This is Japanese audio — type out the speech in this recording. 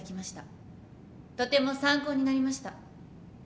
とても参考になりました。